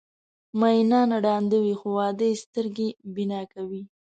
مینان ړانده وي خو واده یې سترګې بینا کوي.